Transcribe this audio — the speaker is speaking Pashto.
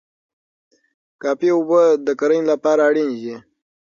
کافي اوبه د کرنې لپاره اړینې دي.